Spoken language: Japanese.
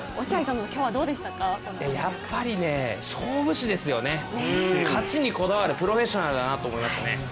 やっぱり勝負師ですよね、勝ちにこだわるプロフェッショナルだなと思いました。